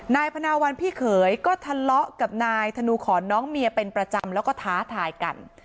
นายพนาวันพี่เขยก็ทะเลาะกับนายธนูขอนน้องเมียเป็นประจำแล้วก็ท้าทายกัน